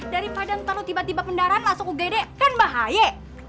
daripada ntar tiba tiba kendaraan masuk ugd kan bahaya